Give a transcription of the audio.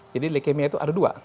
jadi leukemia itu ada dua